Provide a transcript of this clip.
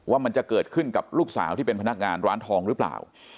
ว่าจะเกิดขึ้นกับลูกสาวที่เป็นพนักงานร้านทองหรือเปล่า